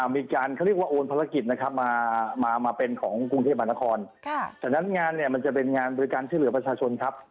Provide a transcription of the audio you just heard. มีการเขาเรียกว่าโอนภารกิจนะครับมาเป็นของกรุงเทพมหานครฉะนั้นงานเนี่ยมันจะเป็นงานบริการช่วยเหลือประชาชนครับ